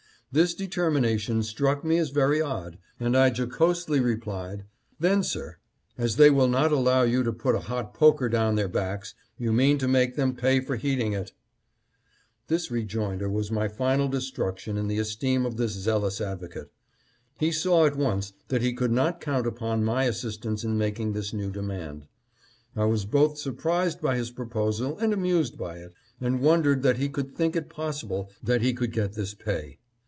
This determination struck me as very odd, and I jocosely replied, —"' Then, sir, as they will not allow you to put a hot poker down their backs, you mean to make them pay for heating it !'" This rejoinder was my final destruction in the esteem of this zealous advocate. He saw at once that he could not count upon my assistance in making this new demand. I was both surprised by his proposal and amused by it, and wondered that he could think it pos sible that he could get this pay.